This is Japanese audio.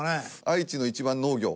愛知の一番農業。